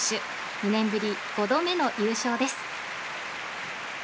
２年ぶり５度目の優勝です。